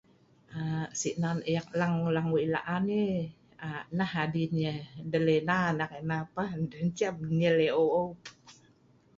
um si nan eek lang lang wei laan ee um nah adin yeh Delina nah eek enah pah. Ndeh ceh am nyel yeh au' au'.